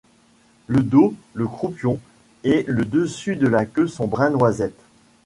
Le dos, le croupion et le dessus de la queue sont brun noisette.